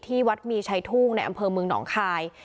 ที่วัดมีชายธุ้งในอำเภอเมืองคาย